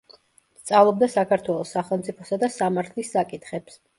სწავლობდა საქართველოს სახელმწიფოსა და სამართლის საკითხებს.